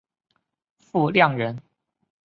傅亮人。